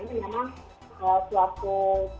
ini memang suatu